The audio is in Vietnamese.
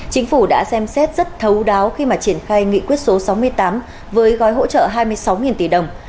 chính phủ đã xem xét rất thấu đáo khi mà triển khai nghị quyết số sáu mươi tám với gói hỗ trợ hai mươi sáu tỷ đồng